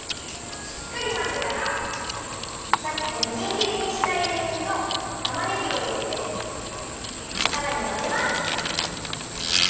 しっかりまぜたらさっきみじんぎりにしたエリンギとたまねぎをいれてさらにまぜます。